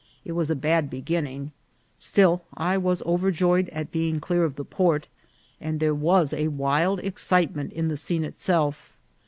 It was a bad beginning. Still I was overjoyed at being clear of the port, and there was a wild excitement in the scene itself.